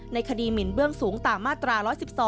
ในคดีหมินเบื้องสูงตามมาตรา๑๑๒